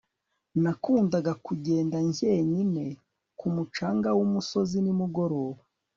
Nakundaga kugenda njyenyine ku mucanga wumusozi nimugoroba